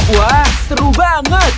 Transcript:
wah seru banget